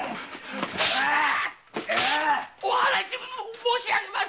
お話し申し上げます！